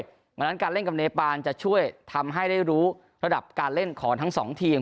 เพราะฉะนั้นการเล่นกับเนปานจะช่วยทำให้ได้รู้ระดับการเล่นของทั้งสองทีม